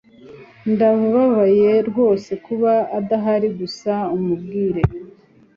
Ndabaye rwose kuba adahari gusa umubwire